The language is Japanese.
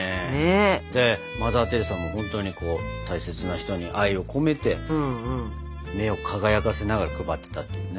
でマザー・テレサも本当に大切な人に愛を込めて目を輝かせながら配ってたっていうね。